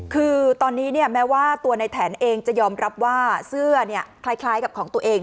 คือตอนนี้แม้ว่าตัวในแถนเองจะยอมรับว่าเสื้อคล้ายกับของตัวเอง